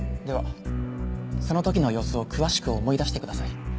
ではその時の様子を詳しく思い出してください。